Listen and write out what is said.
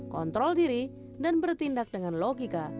kontrol diri dan bertindak dengan logika